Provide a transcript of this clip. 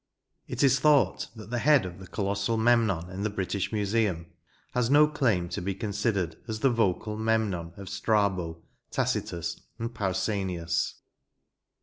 It is thought that the head of the colossal Memnon in the British Museum has no claim to be considered as the vocal Memnon of Strabo, Tacitus, and Pausanias.